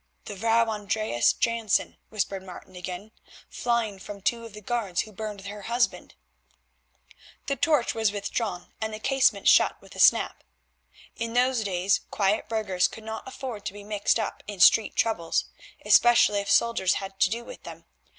"The Vrouw Andreas Jansen," whispered Martin again, "flying from two of the guard who burned her husband." The torch was withdrawn and the casement shut with a snap. In those days quiet burghers could not afford to be mixed up in street troubles, especially if soldiers had to do with them.